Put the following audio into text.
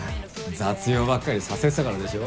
雑用ばっかりさせてたからでしょ。